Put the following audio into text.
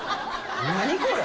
・何これ？